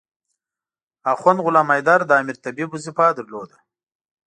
اخند غلام حیدر د امیر طبيب وظیفه درلوده.